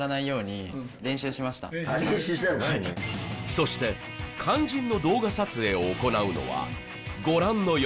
そして肝心の動画撮影を行うのはご覧の４